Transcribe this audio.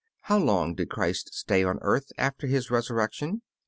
How long did Christ stay on earth after His resurrection?